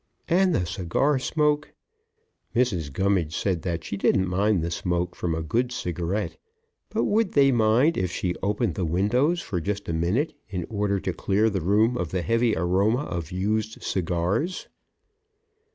And the cigar smoke! Mrs. Gummidge said that she didn't mind the smoke from a good cigarette, but would they mind if she opened the windows for just a minute in order to clear the room of the heavy aroma of used cigars?